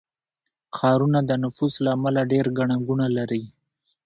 ښارونه د نفوس له امله ډېر ګڼه ګوڼه لري.